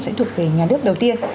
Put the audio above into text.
sẽ thuộc về nhà nước đầu tiên